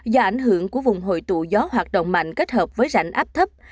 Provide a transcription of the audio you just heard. do ảnh hưởng của vùng hội tụ gió hoạt động mạnh kết hợp với rãnh áp thấp